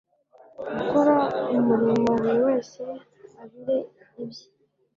gukora umurimo buri wese abire ibye